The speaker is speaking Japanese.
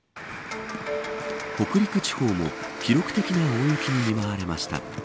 北陸地方も記録的な大雪に見舞われました。